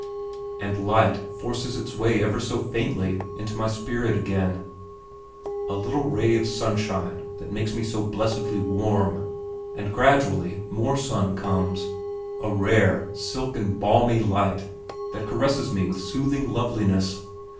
And light forces its way ever so faintly into my spirit again a little ray of sunshine that makes me so blessedly warm; and gradually more sun comes, a rare, silken, balmy light that caresses me with soothing loveliness.